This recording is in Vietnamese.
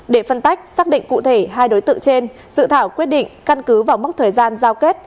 để phân tách xác định cụ thể hai đối tượng trên dự thảo quyết định căn cứ vào mốc thời gian giao kết